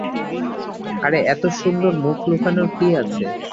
আরে, এত সুন্দর মুখ লুকানোর কী আছে?